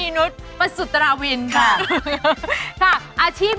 ไอล์โหลดแล้วคุณผู้ชมค่ะมีแต่ทำให้เรามีรอยยิ้ม